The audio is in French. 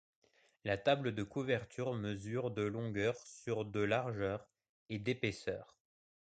La table de couverture mesure de longueur sur de largeur et d'épaisseur.